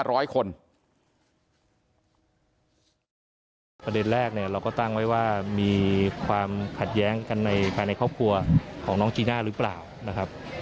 เอาประเด็นแรกเนี่ยเราก็ตั้งไว้ว่ามีความขัดแย้งกันในภายในครอบครัวของน้องจีน่าหรือเปล่านะครับ